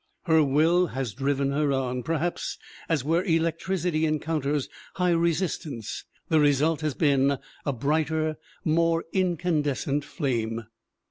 Her will has driven her on. Perhaps, as where electricity encounters high resistance, the re sult has been a brighter, more incandescent flame.